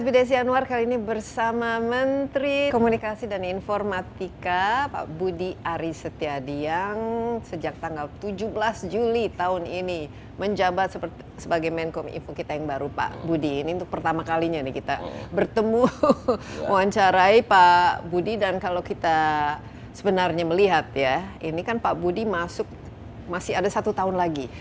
dan kalau kita sebenarnya melihat ya ini kan pak budi masuk masih ada satu tahun lagi